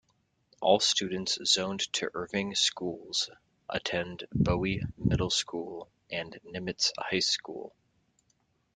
All students zoned to Irving schools attend Bowie Middle School and Nimitz High School.